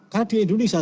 karena di indonesia